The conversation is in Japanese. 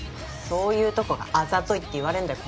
そういうとこがあざといって言われんだよ